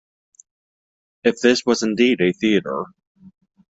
If this was indeed a theatre.